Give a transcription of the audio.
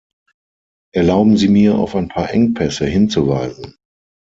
Erlauben Sie mir, auf ein paar Engpässe hinzuweisen.